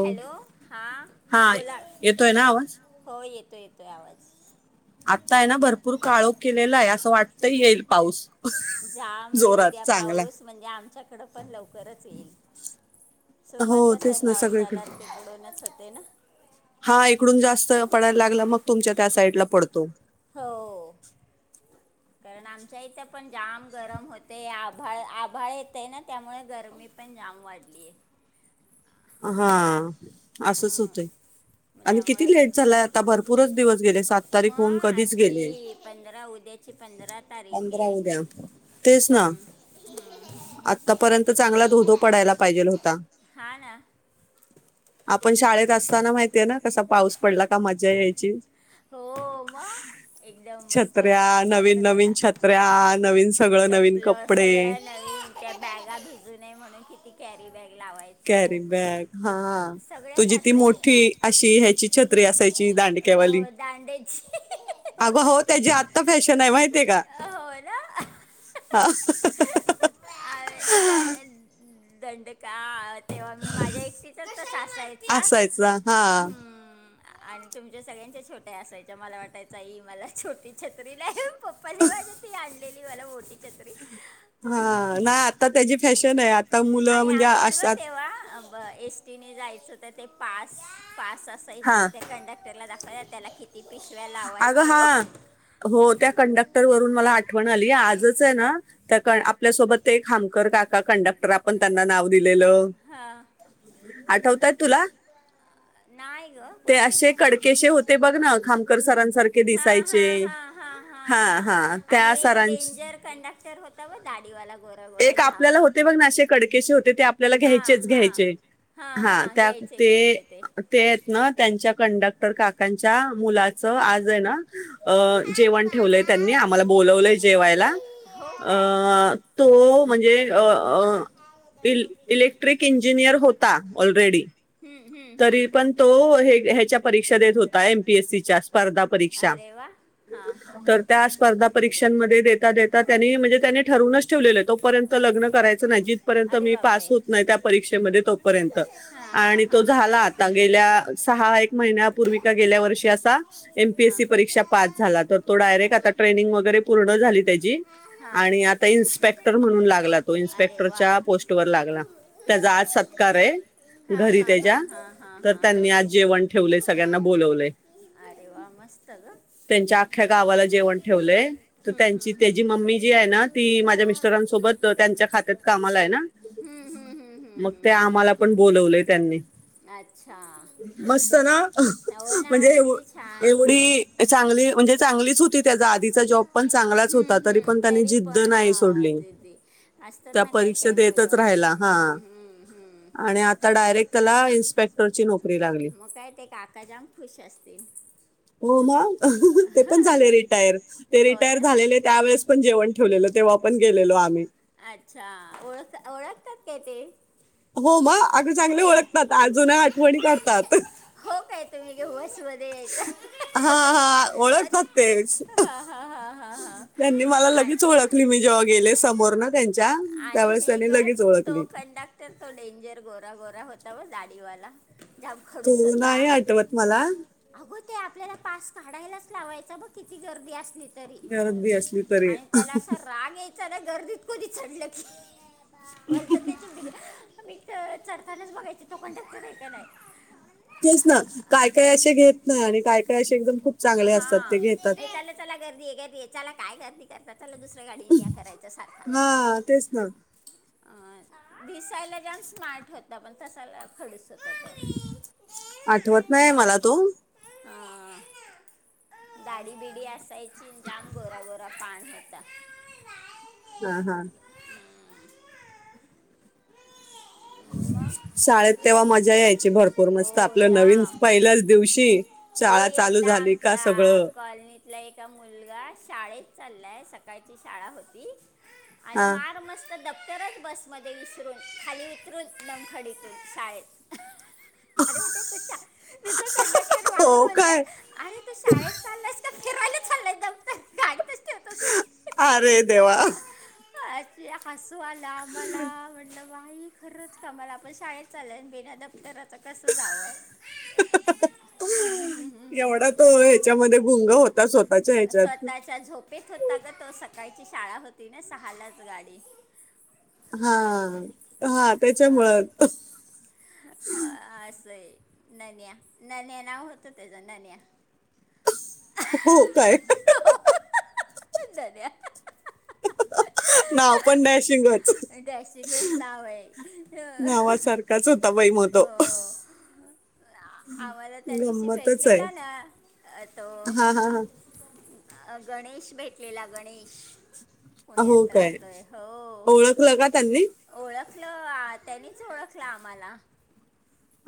Hello, हा बोला. येतोय ना आवाज हो येतोय. येतोय येतोय आवाज. आता आहे ना भरपूर काळोख केलेला आहे. असं वाटत येईल पाऊस. जाम जोरात येऊद्या चांगला पाऊस म्हणजे आमच्याकडें पण लवकर लवकरच येईल. हो सुरुवात कस आहे तेच ना सगळीकडे पावसाला तिकडूनच होते ना.. हा इकडून जास्त पडायला लागलं मग तुमच्या त्या साईडला पडतो. हो [inaudible] कारण आमच्या इथे पण जाम गरम होते. आभाळ, आभाळ येतय ना त्यामुळे गरमी पण जाम वाढली आहे. हा असंच होतंय. मग आणि त्यामुळं किती लेट झालाय. आता भरपूरच दिवस गेले. सात तारीख मग होऊन कधीच गेली आहे. आजची पंधरा उद्याची पंधरा तारीख आहे. तेच ना.. आतापर्यंत चांगला धोधो पडायला पाहिजेल होता. हा ना आपण शाळेत असताना माहितीये ना.... कसा पाऊस पडला का मजा यायची. हो म छत्र्या नवीन नवीन छत्र्या नवीन सगळं नवीन चपलं कपडे सगळं नवीन त्या बॅगा भिजू नये म्हणून कॅरी बॅग कॅरी लावायचो बॅग हा तुझी सगळ्यालाच ती मोठी नाही अशी ह्याची छत्री असायची दांडक्यावाली हो दांडेची अगं हो, त्याची आत्ता फॅशन आहे माहितीय का? हो ना हा! [unintelligible] थंड का देवा मी माझ्या एकटीचच असायचा हा हम्म, आणि तुमच्या सगळ्यांच्या छोट्या असायच्या. मला वाटायच आई मला छोटी छत्री नाही पप्पानी माझ्या आणलेली मला मोठी, हा छत्री नाही आता त्याची फॅशन आहे. आता मुलं म्हणजे अशा बस एसटीने जायचं तर ते पास पास हा असायचे. त्या कंडक्टरला दाखवायचे त्याला कि अगं हा लावायचो. हो त्या कंडक्टर वरून मला आठवण आली. आजच आहे ना त्या आपल्यासोबत ते खामकर काका कंडक्टर आपण त्यांना नाव दिलेलं, हां आठवतायत तुला? नाहीय ग कोणते खामकर? करण सरांसारखे दिसायचे, हा हा आणि एक डेंजर कंडक्टर होता बग दाडीवाला गोरा गोरा जाम, ते बघ ना असे कडकेशे होते. ते आपल्याला हां घ्यायचेच, हां घ्यायचे हां हा हां त्या घ्यायचे ते घ्यायचे ते आहेत ना त्यांच्या कंडक्टर काकांच्या मुलां च आज आहे ना जेवण ठेवलंय त्यांनी आम्हाला बोलावलंय जेवायला. हो काय अ तो म्हणजे अ अ इलेक्ट्रिक इंजिनियर होता. ऑलरेडी हम्म, हम्म, तरी हम्म. पण तो ह्याच्या परीक्षा देत होता एमपीएससीच्या स्पर्धा परीक्षा अरे वा हां तर त्या स्पर्धा परीक्षांमध्ये देता देता त्यांनी म्हणजे त्यांनी ठरूनच ठेवलेलं तोपर्यंत लग्न करायचं जिथपर्यंत अरे मी पास बापरे होत नाही. त्या परीक्षेमध्ये तोपर्यंत हां हां आणि तो हां झाला आता गेल्या सहा एक महिन्यापूर्वी गेल्या वर्षी असा हां एमपीएससी परीक्षा पास झाला तर तो डायरेक् आता ट्रेन ट्रेनिंग वगैरे पूर्ण झाली त्याची, हां आणि आता इन्स्पेक्टर म्हणून लागला तो अरे वा इन्स्पेक्टरच्या पोस्ट वर लागला. त्याचा आज सत्कार आहे, हां घरी हां हां त्याच्या हां हां तर हां हां त्यांनी आज जेवण ठेव ठेव सगळ्यांना बोलवले. अरे! वा मस्त गं! गावाला जेवण हम हम हम. त माझ्या मिस्टरांसोबत त्यांच्या खात्यात कामाला आहेना. हम्म, हम्म, हम्म, हम्म, मग हम्म, ते हम्म. आम्हाला पण बोलवलेय त्यांनी, अच्छा मस्त ना! हो ना म्हणजे किती छान एवढी चां चगली म्हणजे चांगलीच होती, त्याचा आधीचा जॉब पण चांगलाच हम्म होता, तरी हम्म पण त्यानी जिद्द पण नाही हां सोडली. दीदी असतात त्या ना काही परीक्षा काय मुलं देतच राहिला हा हम्म हम्म हम्म. आणि आता डायरेक्ट त्याला इन्स्पेक्टरची नोक मग काय ते काकाजाम खुश असतील? हो ते पण झाले रिटायर ते हो रिटायर ना झालेले त्यावेेळेस पण जेवण ठेवलेलं. तेव्हा पण गेलेलो आम्ही, अच्छा! ओळख ओळखतात का ते, हो म अग चांगले ओळखतात अजून आठवणी काढतात. हो काय तुम घे बस मध्ये यायच हा हा अच्छा ओळखतात ते हा हा हा. हा त्यांनी मला लगेच आ- ओळखली मी जेव्हा गेले समोर ना! त्यांच्या आणि त्यावेळेस हे त्यांनी ग लगेच तो ओळखली, कंडक्टर तो डेंजर गोरा गोरा होता बघ दाढीवाला, जाम तू खडूस होता नाही आठवत मला, अगो ते आपल्याला पास काढायलाच लावायचा बघ किती गर्दी असली तरी, गर्दी असली तरी आणि त्याला असा राग यायचा ना गर्दीत कधी चडलं की, [inaudible] चडखनेच बघायची तोकणत का नाही तेच ना काय काय असे घेत नाही आणि काय काय असे एकदम खूप चांगले हा असतात ते घेतात याच्याला त्याला गर्दी याच्याला काय गर्दी करतात त्याला दुसऱ्या गाडीने या करायच सारखा हा तेच ना भिसायला जाण स्मार्ट होता पण तसाला खडस आठवत नाही मला तो दाढीबिडी असायची लांब गोरागोरा पाण होता हम हम ह मग शाळेत अजून तेव्हा मजा यायची भरपूर मस्त हो आपलं नवीन जाम पहिल्याच दिवशी हे शाळा चालू एकदा झाली का आमच्या सगळं कॉलनीतला ए मुलगा शाळेत चाललाय सकाळची शाळा होती आणि हा मार मस्त दप्तरच बसमध्ये विसरून खाली उतरून लमखडीतून शाळेत ह अरे म्ह तू कंडक्टर वागून हो बोलतेय काय अरे तू शाळेत चालला का हिरवायलाच चालं एकदम गा अरे देवा हसू आला आ मला म्हटल खरच कामाला आपण शाळेत चालय बिना दप्तराच कस जावं हम् एवढा त ह्याच्यामध्ये गुंग होता स्वतःच्या ह्याच्यात कायची शाळा होती ना सहालाच गाडी हा हा त्याच्यामुळ हां असं आहे नन्या नन नाव होतं त्याचा नन्या हो काय हर नाव पण नाहीशिंगत डॅशिंगच नाव आहे नावासारखाच होता बाई म तो हो आम्हाला त्या दिवशी गंमतच आहे भेटलेला ना तो हा हा हा अ गणेश भेटलेला गणेश हो पुण्यात काय राहतोय हो ओळखलं का त्यांनी ओळख लं त्यांनीच ओळखला आम्हाला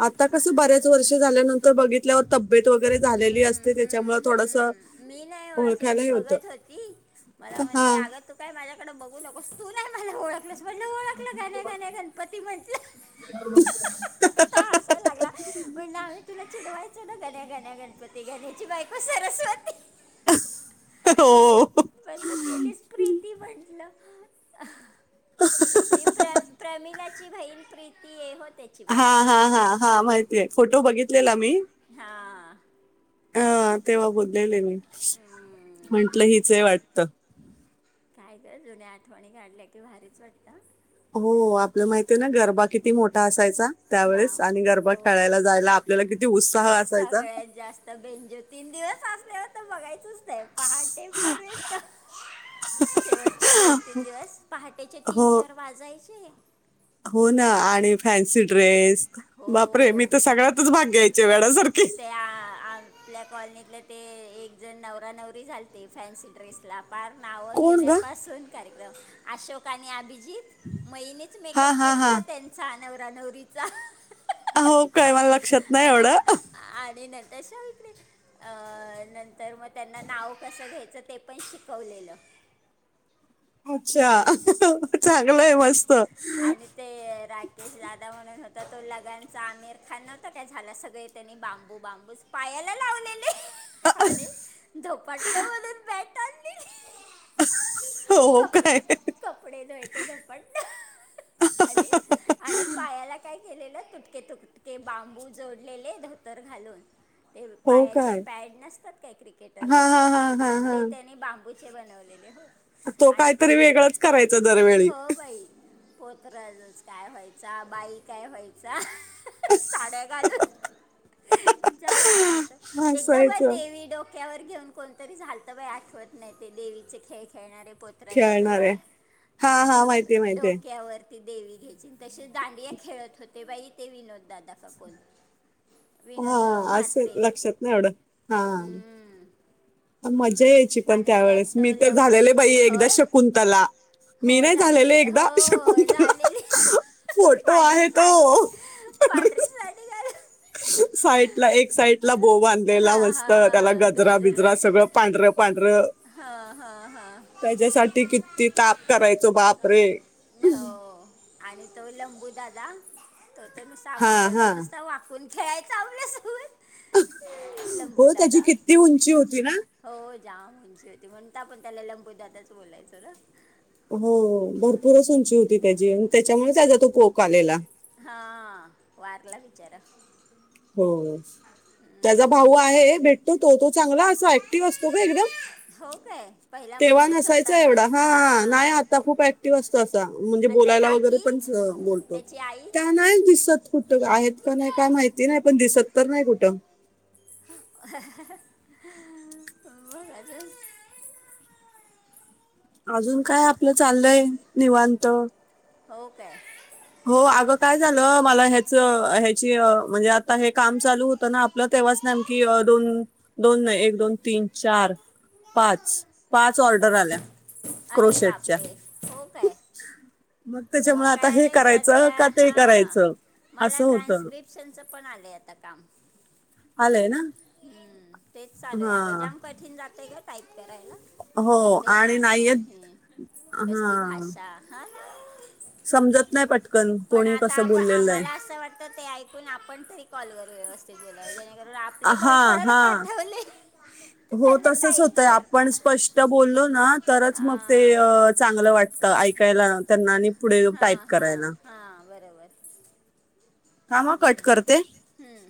आता कसं बऱ्याच वर्ष झाल्यानंतर बघितल्यावरबब तेत वगैरे झालेली हम्म असते हम्म त्याच्यामु थोडस हम्म मी नाही ओळखलं मी ओळखायलाही होतं बघत होती मला हा म्हणग तू काय माझ्याकडे ब कस तू नाही मला ओळखलंस म्हटलं ओळखलं गाण्या गाण्या गणपती म्हटलं त असवा लागला म्हण आम्ही तुला चिडवायचं ना त्या ग घन्या गणपती घण्याची बायक सरस्वती हो पण तू केली स् प्रीती म्हटलं ती प्र प्रमिलाची बहीण प्रीती आहे हो त्याची हा बायको हा हा हा माहिती आहे फोटो बघितलेला मी हां हा तेव्हा बोललेले मी हम्म. म्हंटल हिच वाटत काय कर जुन्या आठवणी काढल्या की भारीच वाटतं हो आपलं माहित आहे ना गरबा किती मोठा असायचा त्यावेेळेस जाम आणि गरबाात हो खेळायला जायला आपल्याला किती उत्साह असायचा सगळ्यात जास्त बेंजो तीन दिवस असल्यावर तर बघायचच नाही पहाटे प शेवटचे दोन तीन दिवस पहाटेचे हो तीन चार वाजायचे हो ना आणि फॅन्सी ड्रेस बापरे मी तर सगळ्यातच भाग घ्यायचे वेळाच त्या आपल्या कॉलनीतले ते एक जण नवरा नवरी झालते फॅन्सी ड्रेस ला पार नावं कोण ग घेण्यापासून का अशोक आणि अभिजित म हिणीच हा मेकअप हा हा केलता त्यांचा नवर नवरीचा हो काय मला लक्षात नाही एवढं आणि न [inaudible] नंतर मग त्यांना नाव कसं घ्यायचं ते पण शिकवलेलं अच्छा [inaudible] आहे मस्त आणि ते राकेश दादा म्हणून होते तर तो लगांचा आमिर खान नव्हता काय झाला सगळे त्यांनी बांबू बांबू पायाला लावलेले. आणि धोपाट्टन मधून बॅट आणली हो काय धोपाट्टन आणि आणि पायाला काय केलेलं तुटके तुटके बांबू जोडलेले धोतर घालून ते हो पायाचे काय पॅड नसतात काय क्रिकेटर हा लोक हा हा हा तर ते हा त्यांनी बांबू चे बनवलेले हो तो आणि काहीतरी वेगळांच करायचा दरवेळी हो बाई पोत्रच काय व्हायचा बाई काय व्हायचा साड्या घालून जा एकदा म हसायचं देवी डो टक्यावर घेऊन कोणतरी झाल बाई आठवत नाही ते देवीचे खेळ खेळणारे पोत्र्या जास्त जो हा हा माहितीय माहतीय देवी घ्यायचे तसे दांडिया खेळत होते बाई ते विनोददादा का कोण हा विनोद अं, असंल म्हात्रे लक्षात नाय एवढं हा हम्म. मजा यायची पण आणि त्यात त्यावेेळेस तो मी तर लंबू झालेले बाई एकदा होय शकुंतला मी हो नाही झालेली झालेले हो एकदा हो शकूनतला झालेली त्यांना फोटो आहे तो पांढरीसाडी घालून साईडला एक साईडला बो बांधलेला हा हा मस्त त्याला हा गजरा गजर बिजरा सगळं पांढर पांढर हा हा हा त्याच्यासाठी किती ताप करायचो बापरे हो आणि तो लंबू दादा तो तर नुसता आपण हां, त्याला हां. नुसता वाकून खेळायच आपल्या सोबत हो त्याची किती उंची होती ना हो जाम होती म्हणून तर त्याला आपण लंबू दादाच बोलायचं ना हो भरपूरच उंची होती त्याची त्याच्यामुळे त्याचा तो पोक आलेला हा वारला बिचारा हो त्याचा भाऊ हम्म. आहे भेटतो तो तो चांगला ऍक्टिव असतो ग एकदम हो काय पहिला तेव्हा मंदच नसायच होता ना एवढा हा हां नाही आता खूप ऍक्टिव्ह असतो अस म्हणजे ब आणि त्या बोलायला वगैरे काकी पण बलतो त्याची आई त्या नाही दिसत कुठ आहेत का नाही का बघा माहिती नाही पण दिसत तर नाही कुठं मग अजुन अजून काय आपलं चाललंय निवांत हो काय ह्या म्हणजे आ हे काम चालू होत ना आपलं तेव्हाच नमक दोन दोन एक, दोन, तीन, चार, पाच पाच ऑर्डर आल्या अरे क्रोशेटच्या बापरे हो काय मग त्याच्यामुळे आता हे काय करायचं सध्या का ते हां करायचं मला असं होतं ट्रान्स्क्रिप्शनचं पण आलंय आता काम आलंय ना हम्म तेच चालूय अगं हा जाम कठीण जातय का टाईप करायला हो नुसते आणि हॅन होन हे नाहीयेत कसली हा भाषा हा समजत नाही पटकन पण कोणी आता कसं आपण बोललेलं आम्हाला आहे असं वाटत ते ऐकून आपण त कॉल वर व्यवस्थित गेलाय जेणेकरून आपले हा कॉल कोणाला हा पाठवले तर हो त्यांना तसच टाईप होतंय करता आपण स्प बोललो ना तरच मग ते हां चांगलं वाटतं ऐकायला त्यांना आणि पुढे टाईप हां हां करायला हां बरोबर थांब हा कट करते हम्म,